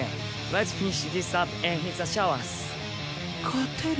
勝てる？